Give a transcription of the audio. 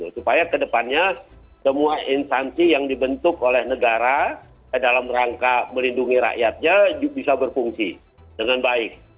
supaya kedepannya semua instansi yang dibentuk oleh negara dalam rangka melindungi rakyatnya bisa berfungsi dengan baik